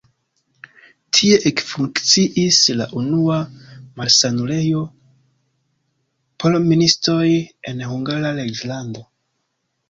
Tie ekfunkciis la unua malsanulejo por ministoj en Hungara reĝlando.